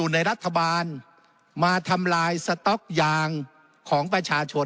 ในรัฐบาลมาทำลายสต๊อกยางของประชาชน